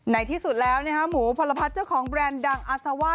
ในที่สุดแล้วหมูพลพัฒน์เจ้าของแบรนด์ดังอาซาว่า